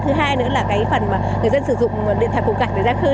thứ hai nữa là cái phần người dân sử dụng điện thoại cổ cảnh để ra khơi